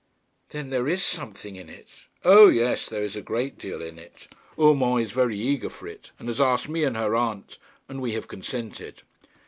'Then there is something in it?' 'O, yes; there is a great deal in it. Urmand is very eager for it, and has asked me and her aunt, and we have consented.'